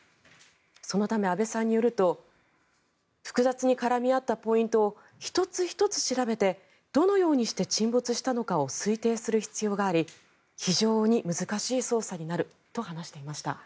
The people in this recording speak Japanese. そのため、安倍さんによると複雑に絡み合ったポイントを１つ１つ調べてどのようにして沈没したのかを推定する必要があり非常に難しい捜査になると話していました。